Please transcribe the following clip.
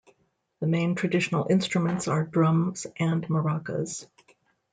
The main traditional instruments are drums and maracas.